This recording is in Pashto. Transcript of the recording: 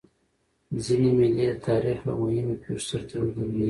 ځيني مېلې د تاریخ له مهمو پېښو سره تړلي يي.